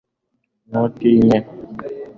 ntutinye